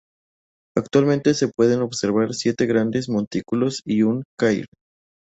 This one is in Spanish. Actualmente, se pueden observar siete grandes montículos y un cairn.